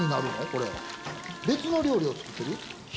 これ別の料理を作ってる？